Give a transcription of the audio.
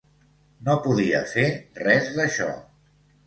No podia fer res d'això.